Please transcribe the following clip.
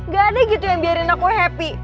gak ada gitu yang biarin aku happy